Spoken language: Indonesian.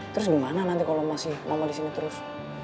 terus gimana nanti kalau masih mama disini terus